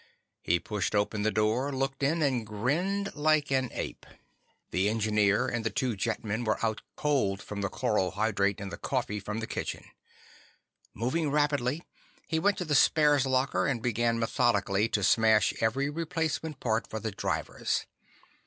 He pushed open the door, looked in, and grinned like an ape. The Engineer and the two jetmen were out cold from the chloral hydrate in the coffee from the kitchen. Moving rapidly, he went to the spares locker and began methodically to smash every replacement part for the drivers.